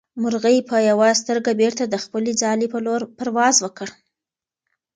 مرغۍ په یوه سترګه بېرته د خپلې ځالې په لور پرواز وکړ.